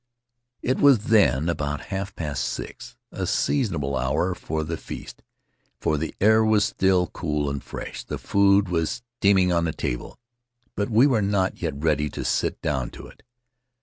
It was then about half past six, a seasonable hour for the feast, for the air was still cool and fresh. The food was steaming on the table, but we were not yet ready to sit down to it.